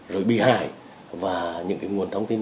rồi bị hại và những nguồn thông tin